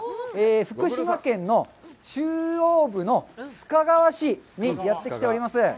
福島県の中央部の須賀川市にやってきております。